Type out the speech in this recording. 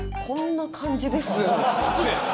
こんな感じですよ。